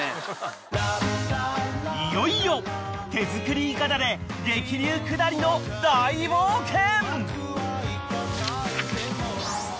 ［いよいよ手作りいかだで激流下りの大冒険］